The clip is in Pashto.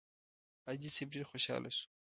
حاجي صیب ډېر خوشاله شو.